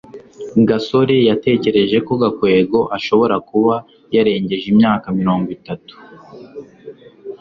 gasore yatekereje ko gakwego ashobora kuba yarengeje imyaka mirongo itatu